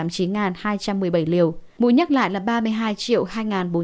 mũi nhắc lại là ba mươi hai hai nghìn bốn trăm linh ba liều